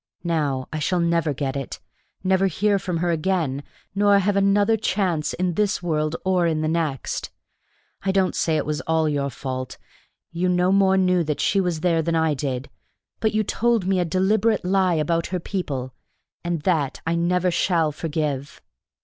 Now I shall never get it, never hear from her again, nor have another chance in this world or in the next. I don't say it was all your fault. You no more knew that she was there than I did. But you told me a deliberate lie about her people, and that I never shall forgive."